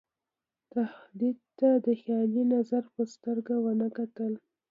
تهدید ته د خیالي خطر په سترګه ونه کتل.